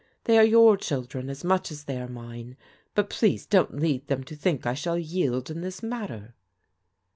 They are your children as much as they are mine, but please don't lead them to think I shall yield in this matter."